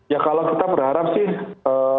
ya kalau kita berharap sih